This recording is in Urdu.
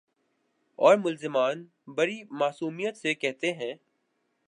اورملزمان بڑی معصومیت سے کہتے ہیں۔